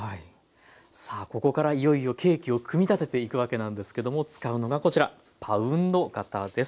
さあここからいよいよケーキを組み立てていくわけなんですけども使うのがこちらパウンド型です。